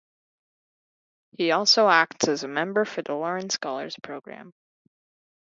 He also acts as a mentor for the Loran Scholars program.